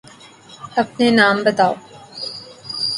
أپنے نام بتاؤ۔